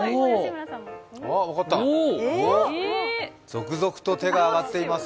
続々と手が挙がっています。